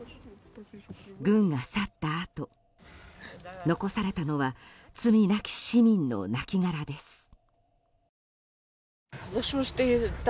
軍が去ったあと、残されたのは罪なき市民の亡きがらです。